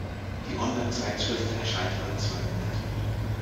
Die Online-Zeitschrift erscheint alle zwei Monate.